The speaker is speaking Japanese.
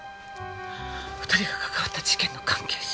２人がかかわった事件の関係者？